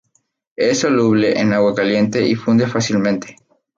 Es soluble en agua caliente y funde fácilmente.